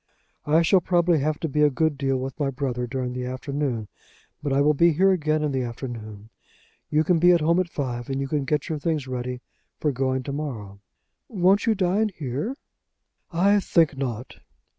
"I shall probably have to be a good deal with my brother during the afternoon. But I will be here again in the afternoon. You can be at home at five, and you can get your things ready for going to morrow." "Won't you dine here?" "I think not."